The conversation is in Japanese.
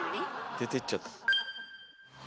出ていっちゃった。